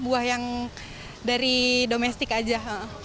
buah yang dari domestik aja